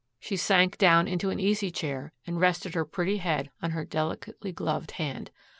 She sank down into an easy chair and rested her pretty head on her delicately gloved hand.